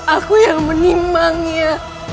aku yang menimangnya